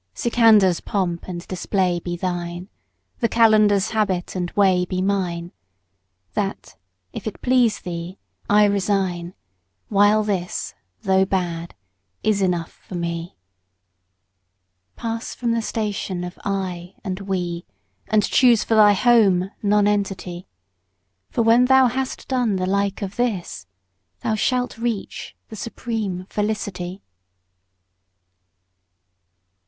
Sikandar's3 pomp and display be thine, the Qalandar's4 habit and way be mine; That, if it please thee, I resign, while this, though bad, is enough for me. Pass from the station of "I" and "We," and choose for thy home Nonentity, For when thou has done the like of this, thou shalt reach the supreme Felicity.